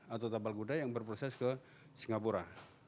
atau tabal guda yang berproses ke singapura